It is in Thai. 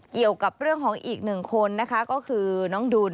เกี่ยวกับเรื่องของอีกหนึ่งคนนะคะก็คือน้องดุล